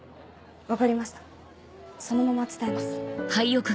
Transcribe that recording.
分かりましたそのまま伝えます。